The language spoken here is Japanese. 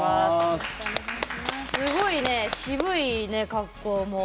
すごい渋いね格好も。